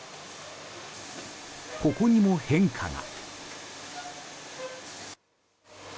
ここにも変化が。